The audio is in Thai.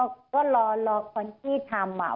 ก็รอคนที่ทำ